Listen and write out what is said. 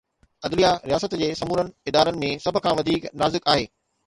عدليه رياست جي سمورن ادارن ۾ سڀ کان وڌيڪ نازڪ آهي.